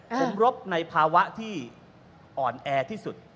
ผมรบในภาวะที่อ่อนแอที่สุด